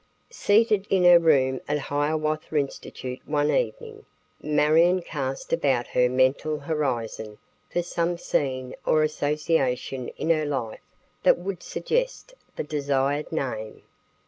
Seated in her room at Hiawatha Institute one evening, Marion cast about her mental horizon for some scene or association in her life that would suggest the desired name.